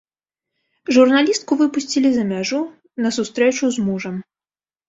Журналістку выпусцілі за мяжу на сустрэчу з мужам.